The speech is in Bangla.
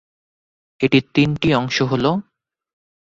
এটির তিনটি অংশ হল-